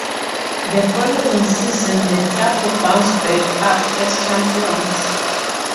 The following season the club bounced back up as Champions.